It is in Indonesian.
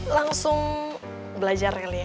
langsung belajar kali ya